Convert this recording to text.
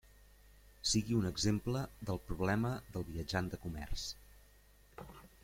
Sigui un exemple del problema del viatjant de comerç.